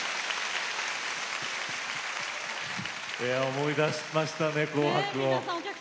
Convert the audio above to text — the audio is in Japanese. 思い出しましたね「紅白」を。